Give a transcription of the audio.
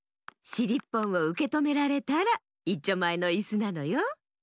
しりっぽんをうけとめられたらいっちょまえのいすなのよ。